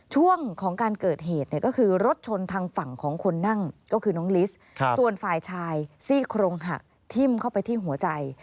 ช่วงของการเกิดเหตุเนี่ยก็คือรถชนทางฝั่งของคนนั่งก็คือน้องลิสส่วนฝ่ายชายซี่โครงหักทิ้มเข้าไปที่หัวใจ